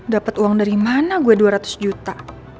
dapat uang dari mana gue dua ratus juta